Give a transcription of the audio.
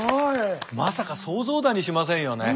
まさか想像だにしませんよね。